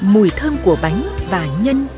mùi thơm của bánh và nhân